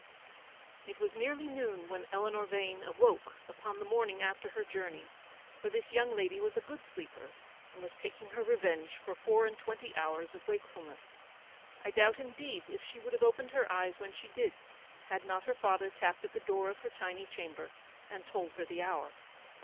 It was nearly noon when Eleanor Vane awoke upon the morning after her journey ; for this young lady was a good sleeper, and was taking her revenge for four and twenty hours of wake fulness. I doubt, indeed, if she would have opened her eyes when she did, had not her father tapped at the door of her tiny chamber and told her the hour.